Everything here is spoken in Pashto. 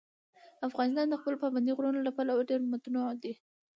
افغانستان د خپلو پابندي غرونو له پلوه ډېر متنوع دی.